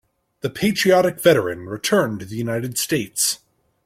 The patriotic veteran returned to the United States.